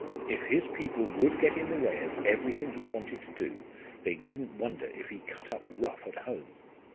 If his people would get in the way of everything he wanted to do, they needn't wonder if he cut up rough at home.